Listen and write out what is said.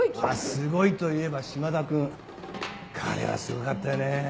すごいといえば島田君彼はすごかったよねぇ。